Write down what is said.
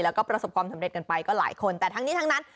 แล้วก็ประสบความสำเร็จกันไปก็หลายคน